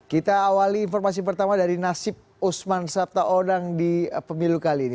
kita awali informasi pertama dari nasib usman sabtaodang di pemilu kali ini